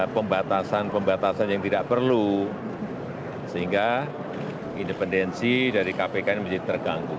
pembatasan pembatasan yang tidak perlu sehingga independensi dari kpk ini menjadi terganggu